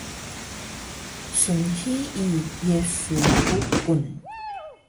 Snhii Yesu Bukung